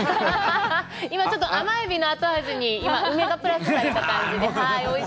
今、ちょっと甘エビの後味に梅がプラスされた感じで、おいしいです。